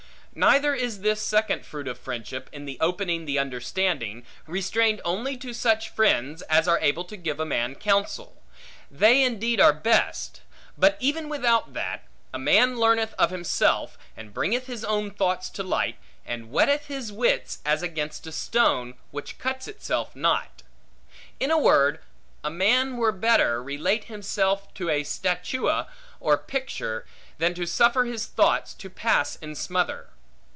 Neither is this second fruit of friendship, in opening the understanding, restrained only to such friends as are able to give a man counsel; (they indeed are best;) but even without that, a man learneth of himself, and bringeth his own thoughts to light, and whetteth his wits as against a stone, which itself cuts not. In a word, a man were better relate himself to a statua, or picture, than to suffer his thoughts to pass in smother.